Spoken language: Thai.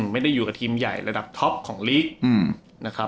ไม่ได้อยู่กับทีมใหญ่ระดับท็อปของลีกนะครับ